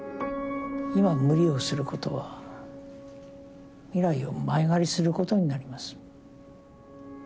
今無理をすることは未来を前借りすることになります。